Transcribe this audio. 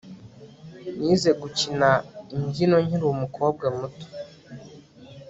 Nize gukina imbyino nkiri umukobwa muto